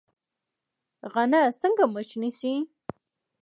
غڼه څنګه مچ نیسي؟